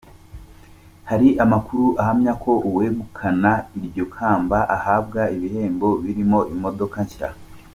Hari amakuru ahamya ko uwegukana iryo kamba ahabwa ibihembo birimo imodoka nshya.